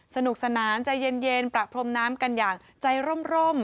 สนุกสนานใจเย็นประพรมน้ำกันอย่างใจร่ม